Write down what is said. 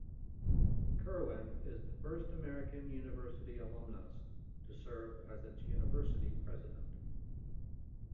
Kerwin is the first American University alumnus to serve as its University President.